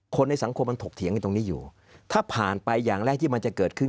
คนในสังคมมันถกเถียงกันตรงนี้อยู่ถ้าผ่านไปอย่างแรกที่มันจะเกิดขึ้น